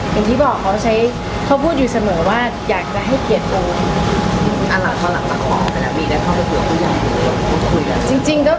เห็นที่บอกเขาพูดอยู่เสมอว่าอยากให้เกลียดโอ้